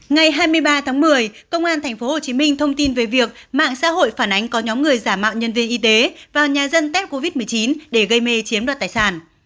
ngày hai mươi ba tháng một mươi công an tp hcm thông tin về việc mạng xã hội phản ánh có nhóm người giả mạo nhân viên y tế vào nhà dân tết covid một mươi chín để gây mê chiếm đoạt tài sản